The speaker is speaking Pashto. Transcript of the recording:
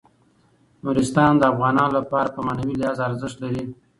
نورستان د افغانانو لپاره په معنوي لحاظ ارزښت لري.